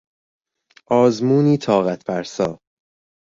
آزمونی طاقت فرسا